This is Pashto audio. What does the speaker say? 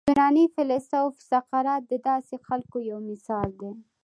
یوناني فیلسوف سقراط د داسې خلکو یو مثال دی.